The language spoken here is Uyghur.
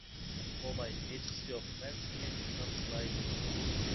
موماي: «ھېچقىسى يوق، مەن سېنى مېھمان قىلاي» دېدى.